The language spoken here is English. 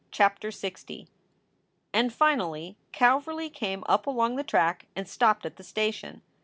CHAPTER LX AND finally Calverly came up along the track and stopped at the station.